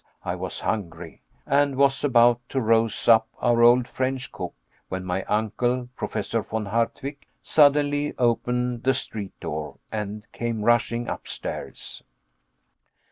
I was hungry, and was about to rouse up our old French cook, when my uncle, Professor Von Hardwigg, suddenly opened the street door, and came rushing upstairs.